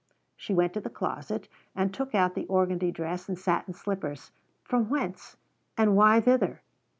She went to the closet and took out the organdie dress and satin slippers. From whence? and why thither?